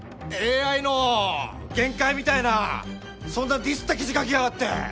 ＡＩの限界みたいなそんなディスった記事書きやがって！